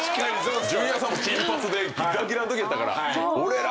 ジュニアさんも金髪でぎらぎらのときやったから。